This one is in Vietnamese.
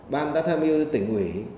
ban đã tham mưu tỉnh ủy